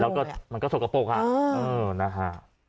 แล้วก็มันก็โสดกระโปรกครับเออนะฮะ